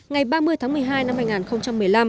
ngày ba mươi tháng một mươi hai năm hai nghìn một mươi năm